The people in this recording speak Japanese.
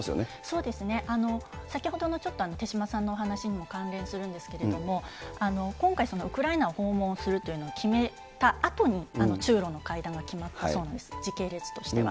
そうですね、先ほどのちょっと手嶋さんのお話にも関連するんですけれども、今回、ウクライナを訪問するというのを決めたあとに、中ロの会談が決まったそうなんです、時系列としては。